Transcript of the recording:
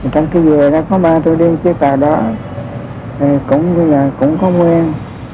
trong khi về có ba tôi đi trên tàu đó cũng có nguyên